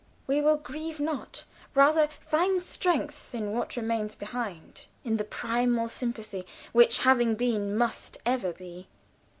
We will grieve not rather find Strength in what remains behind; In the primal sympathy Which having been, must ever be.